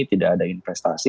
tidak ada investasi